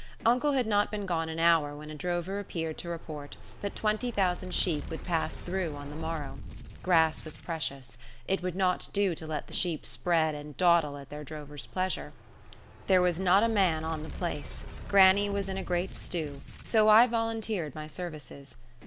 Uncle had not been gone an hour when a drover appeared to report that twenty thousand sheep would pass through on the morrow. Grass was precious. It would not do to let the sheep spread and dawdle at their drovers' pleasure. There was not a man on the place; grannie was in a great stew; so I volunteered my services.